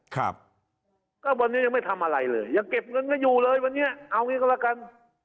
ครับก็วันนี้ยังไม่ทำอะไรเลยยังเก็บเงินกันอยู่เลยวันนี้เอางี้ก็แล้วกัน